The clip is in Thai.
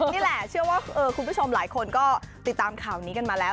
นี่แหละเชื่อว่าคุณผู้ชมหลายคนก็ติดตามข่าวนี้กันมาแล้ว